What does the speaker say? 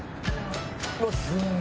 うわっすごい距離。